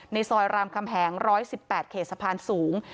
ซอยรามคำแหง๑๑๘เขตสะพานสูง